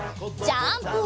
ジャンプ！